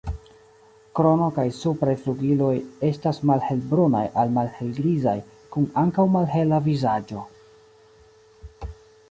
Krono kaj supraj flugiloj estas malhelbrunaj al malhelgrizaj, kun ankaŭ malhela vizaĝo.